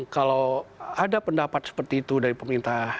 kalau ada pendapat seperti itu dari pemerintah